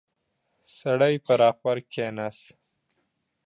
سړی پر اخور کېناست.